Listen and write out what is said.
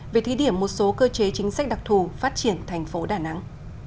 về thí điểm một số cơ chế chính sách đặc thù phát triển thành phố đà nẵng